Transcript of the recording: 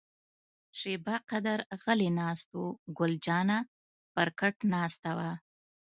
شیبه قدر غلي ناست وو، ګل جانه پر کټ ناسته وه.